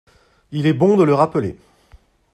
Il est bon de le rappeler